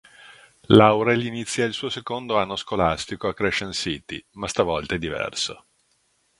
Laurel inizia il suo secondo anno scolastico a Crescent City, ma stavolta è diverso.